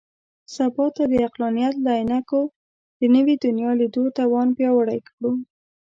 سبا ته د عقلانیت له عینکو د نوي دنیا لیدو توان پیاوړی کړو.